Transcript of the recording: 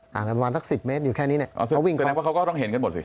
กันประมาณสักสิบเมตรอยู่แค่นี้เนี่ยเขาวิ่งแสดงว่าเขาก็ต้องเห็นกันหมดสิ